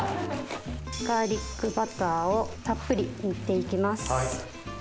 ガーリックバターをたっぷり塗って行きます。